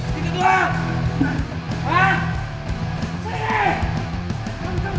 tidak ada yang bisa